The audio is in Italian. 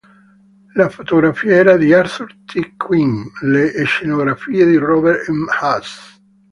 La fotografia era di Arthur T. Quinn, le scenografie di Robert M. Haas.